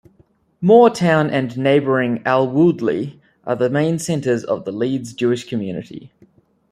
Moortown and neighbouring Alwoodley are the main centres of the Leeds Jewish Community.